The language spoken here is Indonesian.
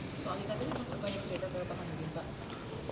soalnya tadi menurut pak yudin pak